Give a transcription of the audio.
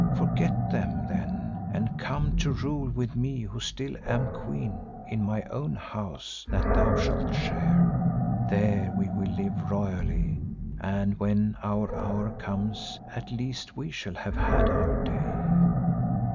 Forget them, then, and come to rule with me who still am queen in my own house that thou shalt share. There we will live royally and when our hour comes, at least we shall have had our day."